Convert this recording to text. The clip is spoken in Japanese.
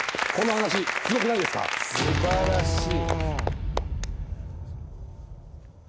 素晴らしい。